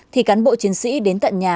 thì cán bộ chiến sĩ đến tận nhà